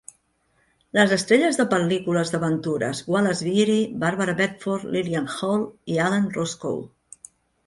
Les estrelles de pel·lícules d'aventures Wallace Beery, Barbara Bedford, Lillian Hall i Alan Roscoe.